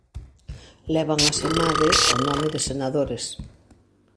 Levan asemade o nome de senadores.